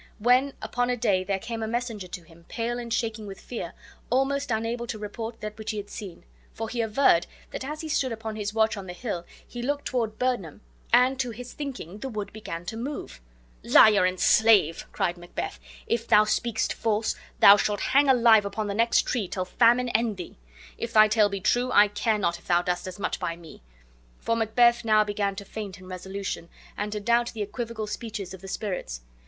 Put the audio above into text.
When, upon a day, there came a messenger to him, pale and shaking with fear, almost unable to report that which he had seen; for he averred, that as he stood upon his watch on the hill he looked toward Birnam, and to his thinking the wood began to move! "Liar and slave!" cried Macbeth. "If thou speakest false, thou shalt hang alive upon the next tree, till famine end thee. If thy tale be true, I care not if thou dost as much by me"; for Macbeth now began to faint in resolution, and to doubt the equivocal speeches of the spirits.